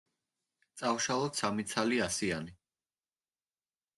წავშალოთ სამი ცალი ასიანი.